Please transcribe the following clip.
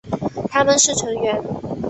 他们是成员。